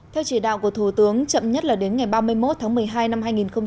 theo chỉ đạo của thủ tướng chậm nhất là đến ngày ba mươi một tháng một mươi hai năm hai nghìn hai mươi